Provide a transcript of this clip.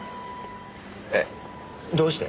えっどうして？